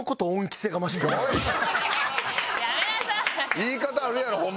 言い方あるやろホンマ